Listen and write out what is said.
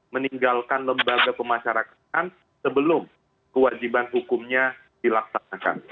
meninggalkan lembaga pemasyarakatan sebelum kewajiban hukumnya dilaksanakan